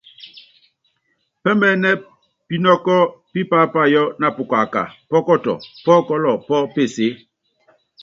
Pɛ́mɛɛ́nɛ pinɔ́kɔ́ pí paápayɔ́ na pukaaka, pɔkɔtɔ, pɔ́kɔ́lɔ pɔ́ peseé.